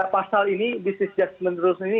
pasal ini bisnis jasmen terus ini